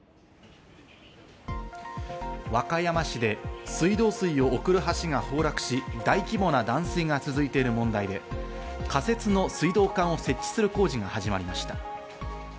和歌山市で水道水を送る橋が崩落し、大規模な断水が続いている問題で、仮設の水道管を設置する工事が始まりました。